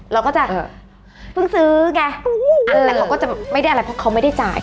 เราก็จะเพิ่งซื้อไงแต่เขาก็จะไม่ได้อะไรเพราะเขาไม่ได้จ่าย